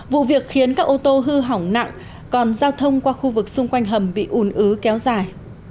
vụ việc khiến các ô tô hư hỏng nặng còn giao thông qua khu vực xung quanh hầm bị ùn ứ kéo dài